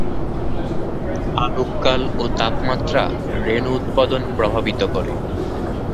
আলোককাল ও তাপমাত্রা রেণু উৎপাদন প্রভাবিত করে।